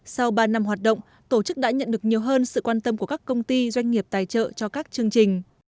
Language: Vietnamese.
sau ba năm hoạt động tổ chức đã nhận được nhiều hơn sự quan tâm của các công ty doanh nghiệp tài trợ cho các chương trình